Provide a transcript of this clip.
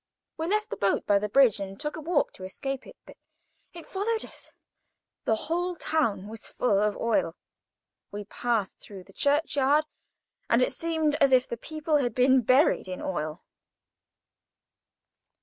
We left the boat by the bridge, and took a walk through the town to escape it, but it followed us. The whole town was full of oil. We passed through the church yard, and it seemed as if the people had been buried in oil.